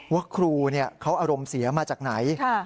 ว่าครูเขาอารมณ์เสียมาจากไหน